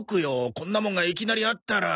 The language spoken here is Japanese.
こんなもんがいきなりあったら。